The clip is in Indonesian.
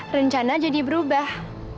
rencana jadi berubah